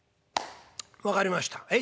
分かりましたはい。